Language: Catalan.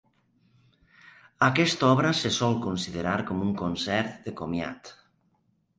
Aquesta obra se sol considerar com un concert de comiat.